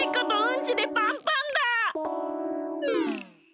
ん？